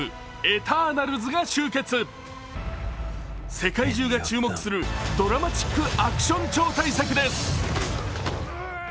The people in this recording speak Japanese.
世界中が注目するドラマチックアクション超大作です。